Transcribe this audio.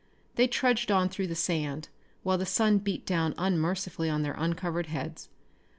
They trudged on through the sand, while the sun beat down unmercifully on their uncovered heads.